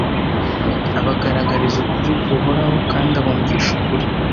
abagaragariza ukuri guhoraho kandi abumvisha ukuri